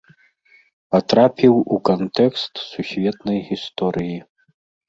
Патрапіў у кантэкст сусветнай гісторыі.